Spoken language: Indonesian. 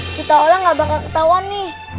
hah kita orang gak bakal ketahuan nih